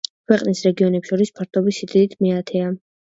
ქვეყნის რეგიონებს შორის ფართობის სიდიდით მეათეა.